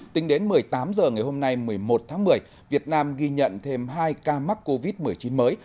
tính đến một mươi tám h ngày hôm nay một mươi một tháng một mươi việt nam ghi nhận thêm hai ca mắc covid một mươi chín mới